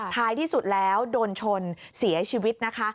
ท้ายที่สุดแล้วโดนชนเสียชีวิตนะคะ